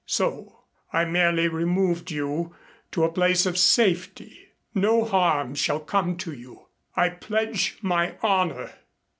So I merely removed you to a place of safety. No harm shall come to you, I pledge my honor."